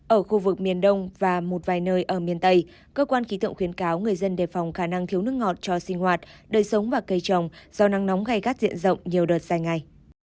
ở khu vực miền đông và một vài nơi ở miền tây cơ quan khí tượng khuyến cáo người dân đề phòng khả năng thiếu nước ngọt cho sinh hoạt đời sống và cây trồng do nắng nóng gai gắt diện rộng nhiều đợt dài ngày